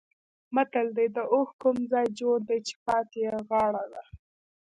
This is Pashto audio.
متل دی: د اوښ کوم ځای جوړ دی چې پاتې یې غاړه ده.